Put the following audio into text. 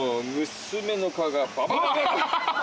娘の顔がババババ。